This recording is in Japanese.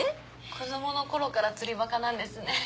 子供の頃から釣りバカなんですね。